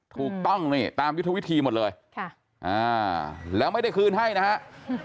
ถูกต้องนี่ตามยุทธวิธีหมดเลยค่ะอ่าแล้วไม่ได้คืนให้นะครับ